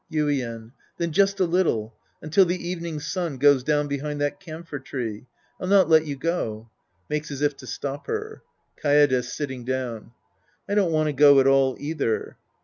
Yuien. Then just a little. Until the evening sun goes down behind that camphor tree. I'll not let you go. {Makes as if to stop her.) Kaede {sitting down). I don't want to go at all either.